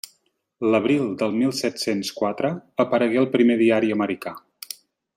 L'abril de mil set-cents quatre aparegué el primer diari americà.